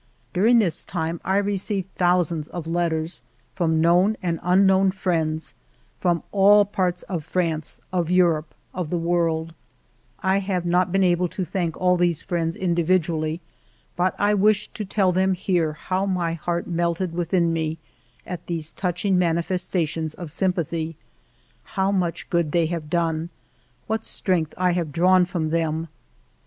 During this time I received thousands of letters ALFRED DREYFUS 305 from known and unknown friends, from all parts of France, of Europe, of the world ; I have not been able to thank all these friends individually, but I wish to tell them here how my heart melted within me at these touching manifestations of sympathy. How much good they have done ! What strength I have drawn from them